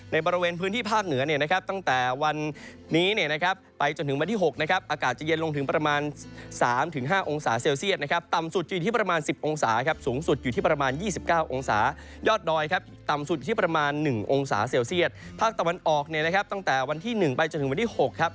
ในบริเวณพื้นที่ภาคเหนือเนี่ยนะครับตั้งแต่วันนี้เนี่ยนะครับไปจนถึงวันที่๖นะครับ